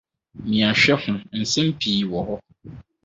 Mia hwɛ ho nsɛm pii wɔ ha.